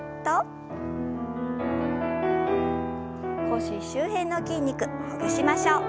腰周辺の筋肉ほぐしましょう。